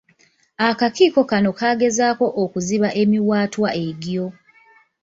Akakiiko kano kaagezaako okuziba emiwaatwa egyo.